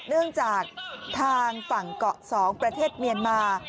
เนื่องจากทางฝั่งเกาะ๒ประเทศเมียนมา